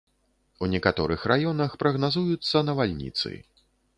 У некаторых раёнах прагназуюцца навальніцы.